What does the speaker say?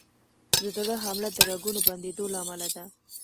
د زړه حمله د رګونو بندېدو له امله ده.